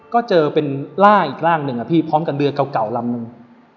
ก็เจอเป็นร่างอีกร่างหนึ่งอะพี่พร้อมกับเรือเก่าลำนึง